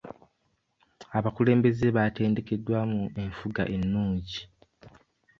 Abakulembeze baatendekeddwa mu enfuga ennungi